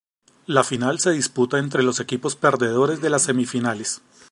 La final se disputa entre los equipos perdedores de las semifinales.